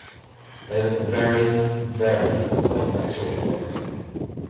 They look very, very like that sort of thing.